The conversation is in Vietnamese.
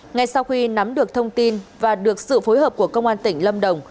ngay sau khi nắm được thông tin và được sự phối hợp của công an tỉnh lâm đồng